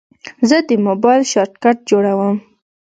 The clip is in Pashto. زه د موبایل شارټکټ جوړوم.